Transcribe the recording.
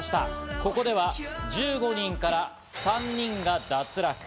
ここでは１５人から３人が脱落。